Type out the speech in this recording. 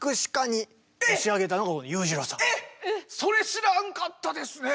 それ知らんかったですね。